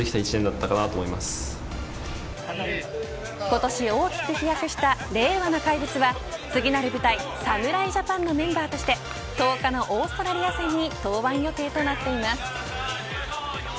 今年大きく飛躍した令和の怪物は次なる舞台侍ジャパンのメンバーとして１０日のオーストラリア戦に登板予定となっています。